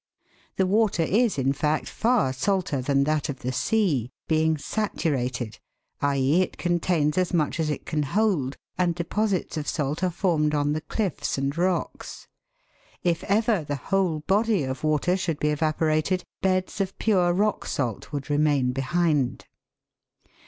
The water is in fact far salter than that of the sea, being saturated, i.e., it contains as much as it can hold, and de posits of salt are formed on the cliffs and rocks. If ever the whole body of water should be evaporated, beds of pure rock salt would remain behind.